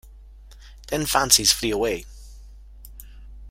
Then fancies flee away!